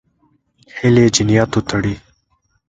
هیلې جنیاتو تړي.